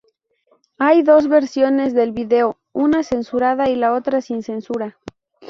Hay dos versiones del video, una censurada y la otra sin censura.